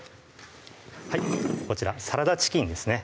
こちらサラダチキンですね